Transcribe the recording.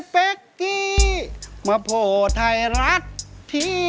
เบ๊กกี้ครับเบ๊กกี้